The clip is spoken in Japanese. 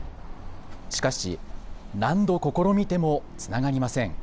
しかし何度試みてもつながりません。